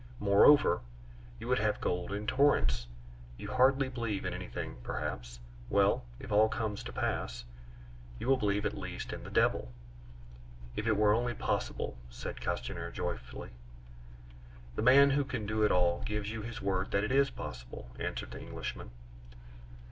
Moreover, you would have gold in torrents. You hardly believe in anything perhaps? Well, if all this comes to pass, you will believe at least in the devil." "If it were only possible!" said Castanier joyfully. "The man who can do it all gives you his word that it is possible," answered the Englishman.